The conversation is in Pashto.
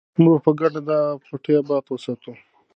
موږ به په ګډه دا پټی اباد وساتو.